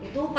pindah ya ya